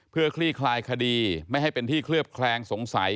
เพื่อคลี่คลายคดีไม่ให้เป็นที่เคลือบแคลงสงสัย